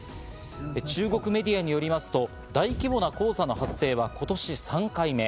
中国メディアによりますと、大規模な黄砂の発生は今年３回目。